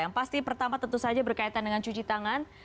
yang pasti pertama tentu saja berkaitan dengan cuci tangan